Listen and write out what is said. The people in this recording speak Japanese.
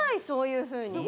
そういうふうに。